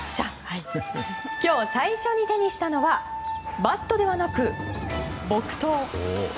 今日最初に手にしたのはバットではなく、木刀。